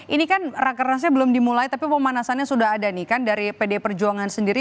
ini kan rakernasnya belum dimulai tapi pemanasannya sudah ada nih kan dari pd perjuangan sendiri